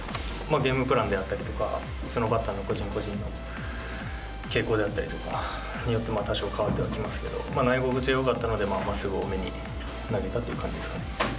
ゲームプランであったりとか、そのバッターの個人個人の傾向であったりとかで、多少変わってはきますけど、内容がすごいよかったので、まっすぐ多めに投げたっていう感じですかね。